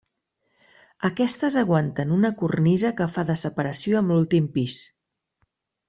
Aquestes aguanten una cornisa que fa de separació amb l'últim pis.